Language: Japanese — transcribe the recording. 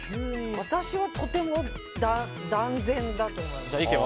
私はとても・断然だと思います。